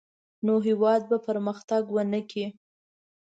نو هېواد به پرمختګ ونه کړي.